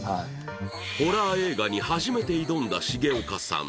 ホラー映画に初めて挑んだ重岡さん。